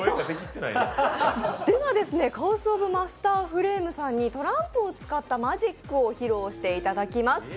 カオスオブマスターフレイムさんにトランプを使ったマジックを披露していただきます。